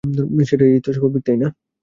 সেটাই তো স্বাভাবিক, তাই না?